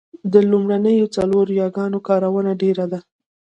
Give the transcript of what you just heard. د لومړنیو څلورو یاګانو کارونه ډېره ده